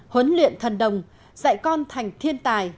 huấn luyện thần đồng dạy con thành thiên tài